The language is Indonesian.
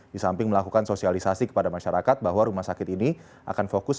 di samping melakukan sosialisasi kepada masyarakat bahwa rumah sakit ini akan fokus